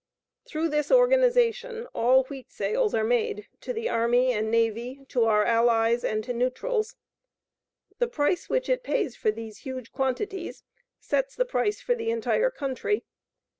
Through this organization all wheat sales are made to the Army and Navy, to our allies, and to the neutrals. The price which it pays for these huge quantities sets the price for the entire country.